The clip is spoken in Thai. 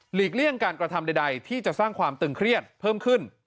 เลี่ยงการกระทำใดที่จะสร้างความตึงเครียดเพิ่มขึ้น